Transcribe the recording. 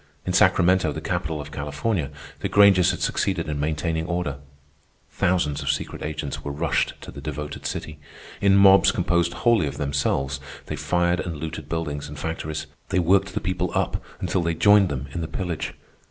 In Sacramento, the capital of California, the Grangers had succeeded in maintaining order. Thousands of secret agents were rushed to the devoted city. In mobs composed wholly of themselves, they fired and looted buildings and factories. They worked the people up until they joined them in the pillage.